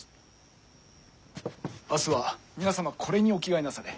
明日は皆様これにお着替えなされ。